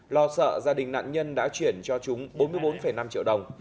lo sợ gia đình nạn nhân đã chuyển cho chúng bốn mươi bốn năm triệu đồng